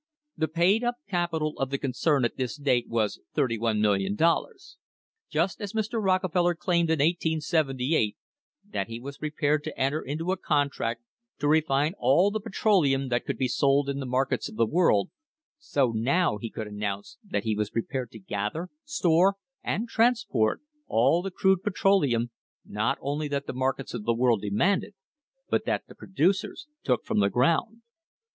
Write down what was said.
The paid up capital of the concern at this date was $31,00x3,000. Just as Mr. Rockefeller claimed, in 1878, that he was "pre pared to enter into a contract to refine all the petroleum that could be sold in the markets of the world," so now he could announce that he was prepared to gather, store and transport all the crude petroleum not only that the markets of the world demanded, but that the producers took from the ground.